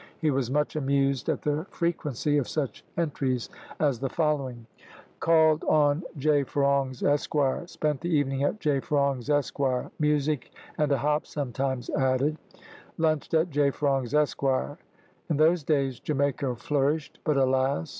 He was much amused at the frequency of such entries as the following: "Called on J Ferong's, Esquire;" "spent the evening at J Ferong's, Esquire," music and a hop sometimes added; "lunched at J Ferong's, Esquire." In those days Jamaica flourished, but alas!